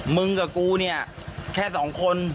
มึงกับกูเนี่ยแค่สองคน